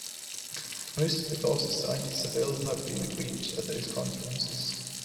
Most of the clauses signed at Seville had been agreed at those conferences.